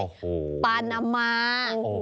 โอ้โหปานาม่า